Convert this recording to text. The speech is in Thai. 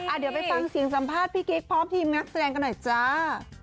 เดี๋ยวไปฟังเสียงสัมภาษณ์พี่กิ๊กพร้อมทีมนักแสดงกันหน่อยจ้า